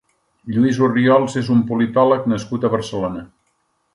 Lluís Orriols és un politòleg nascut a Barcelona.